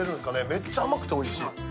めっちゃ甘くておいしい。